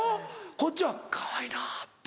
こっちは「かわいいなぁ」って。